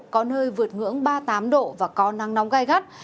có nơi vượt ngưỡng ba mươi tám độ và có nắng nóng gai gắt